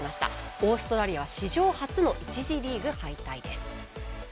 オーストラリアは史上初の１次リーグ敗退です。